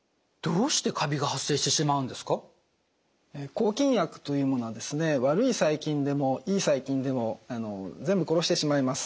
抗菌薬というものは悪い細菌でもいい細菌でも全部殺してしまいます。